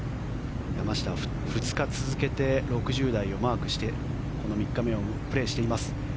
山下２日続けて６０台をマークしてこの３日目をプレーしています。